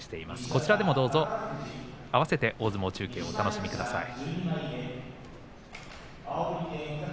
こちらもどうぞ合わせて大相撲中継をお楽しみください。